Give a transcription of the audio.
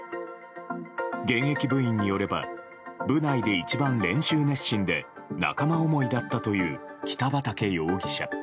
現役部員によれば部内で一番練習熱心で仲間思いだったという北畠容疑者。